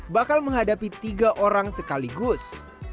bakal menghadapi tiga orang sekaligus